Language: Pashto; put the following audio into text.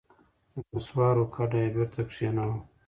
د نسوارو کډه یې بېرته کښېناوه.